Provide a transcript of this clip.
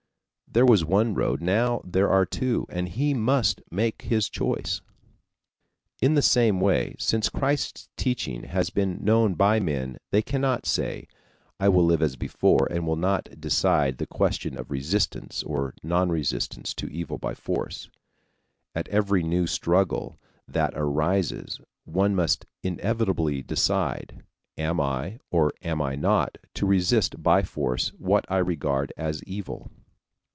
There was one road, now there are two, and he must make his choice. In the same way since Christ's teaching has been known by men they cannot say: I will live as before and will not decide the question of resistance or non resistance to evil by force. At every new struggle that arises one must inevitably decide; am I, or am I not, to resist by force what I regard as evil.